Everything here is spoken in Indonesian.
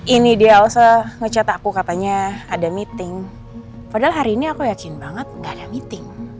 ini dia ose nge chat aku katanya ada meeting padahal hari ini aku yakin banget nggak ada meeting